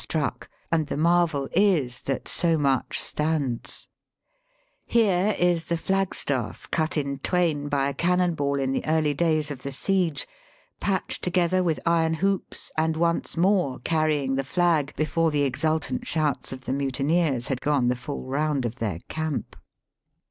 247 struck, and the marvel is that so much stands Here is the flagstaff, cut in twain by a cannon ball in the early days of the siege, patched together with iron hoops, and once more carrying the flag before the exultant shouts of the mutineers had gone the full round of their camp.